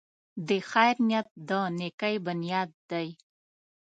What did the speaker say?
د خیر نیت د نېکۍ بنیاد دی.